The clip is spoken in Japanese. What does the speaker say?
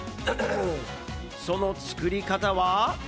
その作り方は。